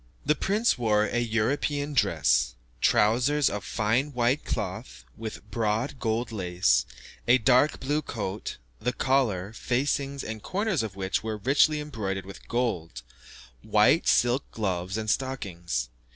The prince wore a European dress: trousers of fine white cloth, with broad gold lace; a dark blue coat, the collar, facings, and corners of which were richly embroidered with gold; white silk gloves and stockings.